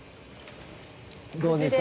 どうですかね？